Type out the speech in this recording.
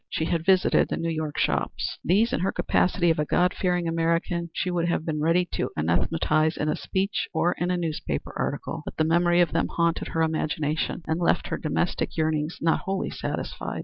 She had visited the New York shops. These, in her capacity of a God fearing American, she would have been ready to anathematize in a speech or in a newspaper article, but the memory of them haunted her imagination and left her domestic yearnings not wholly satisfied.